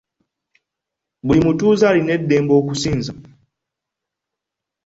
Buli mutuuze alina eddembe okusinza.